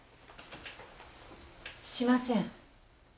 しません。